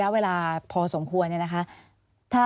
อันดับ๖๓๕จัดใช้วิจิตร